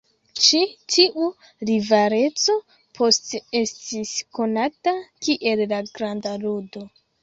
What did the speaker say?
Ĉi tiu rivaleco poste estis konata kiel La Granda Ludo.